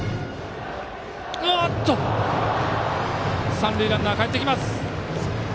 三塁ランナー、かえってきました。